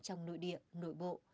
trong nội địa nội bộ